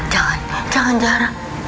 jangan jangan zara